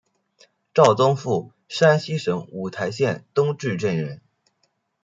赵宗复山西省五台县东冶镇人。